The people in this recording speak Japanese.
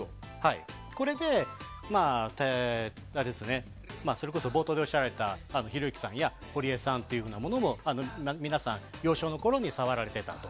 これが、それこそ冒頭でおっしゃられたひろゆきさんや堀江さんも皆さん、幼少のころに触られていたと。